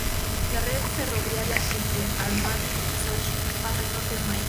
La red ferroviaria entre Armavir y Sochi pasa al norte de Maikop.